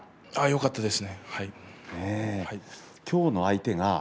よかったです。